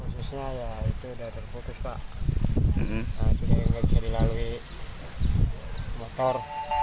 jadi nggak bisa dilalui motor